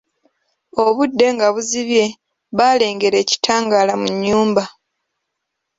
Obudde nga buzibye, baalengera ekitangaala mu nnyumba.